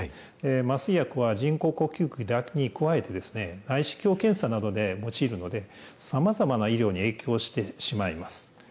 麻酔薬は人工呼吸器に加えて、内視鏡検査などで用いるので、さまざまな医療に影響してしまいます。